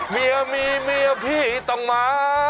เมียมีเมียพี่ต้องมา